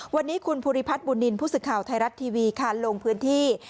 วันนี้คุณภูริพัฒน์บุณินผู้ศึกข่าวไทยรัตน์ทีวีลงพื้นที่